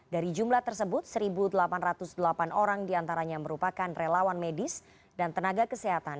dari jumlah tersebut satu delapan ratus delapan orang diantaranya merupakan relawan medis dan tenaga kesehatan